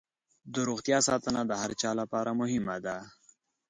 د روغتیا ساتنه د هر چا لپاره مهمه ده.